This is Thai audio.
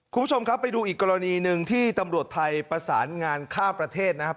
คุณผู้ชมครับไปดูอีกกรณีหนึ่งที่ตำรวจไทยประสานงานข้ามประเทศนะครับ